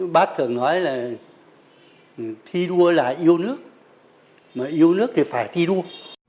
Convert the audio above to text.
bác thường nói là thi đua là yêu nước mà yêu nước thì phải thi đua